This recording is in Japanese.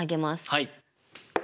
はい。